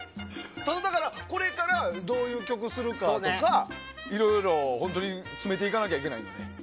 これからどういう曲をするかとかいろいろ詰めていかなきゃいけないのでね。